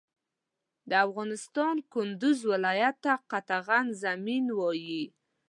د افغانستان کندوز ولایت ته قطغن زمین وایی